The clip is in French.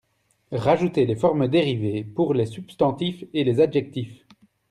rajouter les formes dérivées pour les substantifs et les adjectifs.